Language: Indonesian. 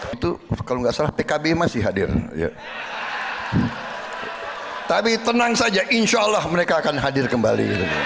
itu kalau nggak salah pkb masih hadir tapi tenang saja insya allah mereka akan hadir kembali